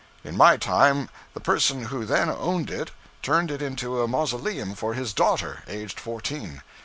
In my time the person who then owned it turned it into a mausoleum for his daughter, aged fourteen.